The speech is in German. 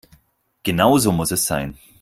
Genau so muss es sein.